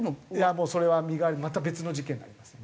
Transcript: もうそれは身代わりまた別の事件になりますね。